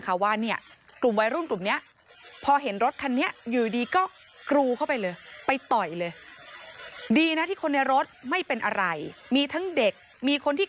เขาว่าเนี่ยกลุ่มวัยรุ่นกลุ่มนี้พอเห็นรถคันนี้อยู่ดีก็กรูเข้าไปเลยไปต่อยเลยดีนะที่คนในรถไม่เป็นอะไรมีทั้งเด็กมีคนที่